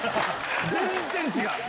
全然違う。